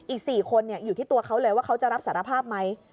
อีก๔คนอยู่ที่ตัวเขาเลยว่าเขาจะรับสารภาพไหม